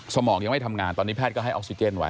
มองยังไม่ทำงานตอนนี้แพทย์ก็ให้ออกซิเจนไว้